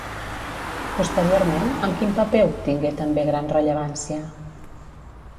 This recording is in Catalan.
Posteriorment, amb quin paper obtingué també gran rellevància?